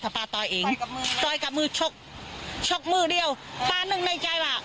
ป้าต่อยเองต่อยกับมือชกชกมือเดียวป้าหนึ่งในใจว่า